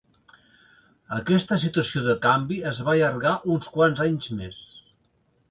Aquesta situació de canvi es va allargar uns quants anys més.